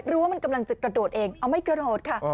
ว่ามันกำลังจะกระโดดเองเอาไม่กระโดดค่ะ